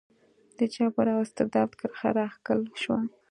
د جبر او استبداد کرښه راښکل شوه.